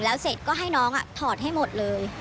แล้วเสร็จก็ให้น้องถอดให้หมดเลย